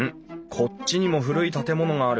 こっちにも古い建物がある。